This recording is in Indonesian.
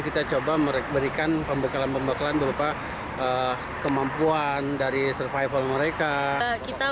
kita coba berikan pembekalan pembekalan berupa kemampuan dari survival mereka